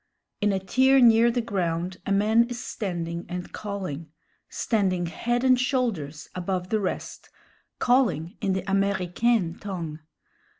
In a tier near the ground a man is standing and calling standing head and shoulders above the rest calling in the Américaine tongue.